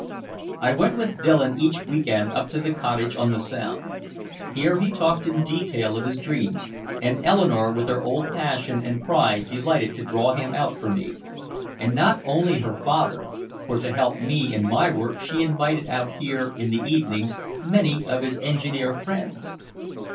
I went with Dillon each week end up to the cottage on the Sound. Here he talked in detail of his dreams, and Eleanore with her old passion and pride delighted to draw him out for me. And not only her father for to help me in my work she invited out here in the evenings many of his engineer friends.